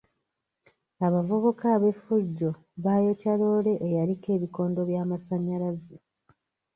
Abavubuka ab'effujjo baayokya loore eyaliko ebikondo by'amasannyalaze.